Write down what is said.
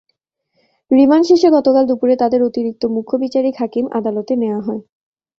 Remand শেষে গতকাল দুপুরে তাঁদের অতিরিক্ত মুখ্য বিচারিক হাকিম আদালতে নেওয়া হয়।